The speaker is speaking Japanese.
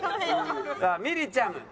さあみりちゃむ。